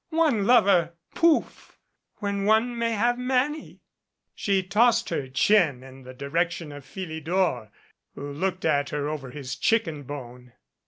One lover pouf ! When one may have many." She tossed her chin in the direction of Philidor, who looked at her over his chicken bone.